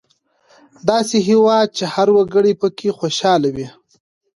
داسې هېواد چې هر وګړی پکې خوشحاله وي.